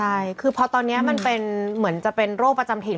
ใช่คือพอตอนนี้มันเป็นเหมือนจะเป็นโรคประจำถิ่น